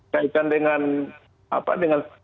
kaitan dengan apa dengan